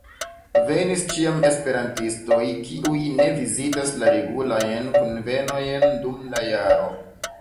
Venis ĉiam esperantistoj, kiuj ne vizitas la regulajn kunvenojn dum la jaro.